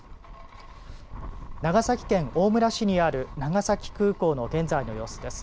長崎県大村市にある長崎空港の現在の様子です。